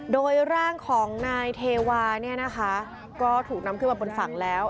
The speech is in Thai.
โดยร่างของนายเทวาเนี่ยนะคะก็ถูกนำขึ้นมาบนฝั่งแล้ว